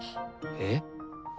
えっ？